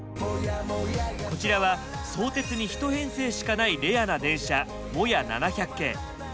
こちらは相鉄にひと編成しかないレアな電車モヤ７００系。